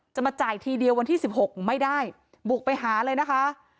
จะมาจ่ายทีเดียววันที่๑๖ไม่ได้บุกไปหาเลยนะคะ